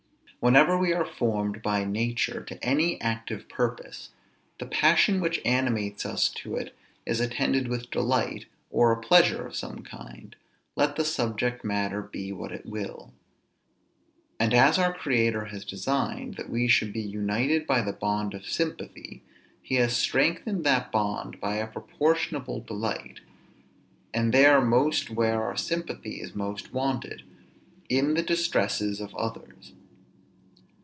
Whenever we are formed by nature to any active purpose, the passion which animates us to it is attended with delight, or a pleasure of some kind, let the subject matter be what it will; and as our Creator has designed that we should be united by the bond of sympathy, he has strengthened that bond by a proportionable delight; and there most where our sympathy is most wanted, in the distresses of others.